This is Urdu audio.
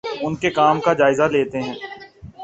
اُن کے کام کا جائزہ لیتے ہیں